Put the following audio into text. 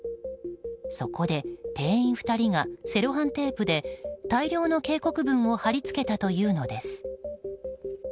そこで店員２人がセロハンテープで大量の警告文を貼り付けたというのです。